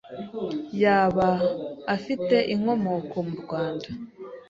yaba afite Inkomoko mu Rwanda